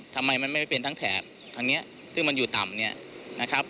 ทำไมมันไม่เป็นทั้งแถบทางนี้ซึ่งมันอยู่ต่ำเนี่ยนะครับ